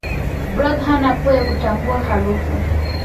blob hana pua ya kutambua harufu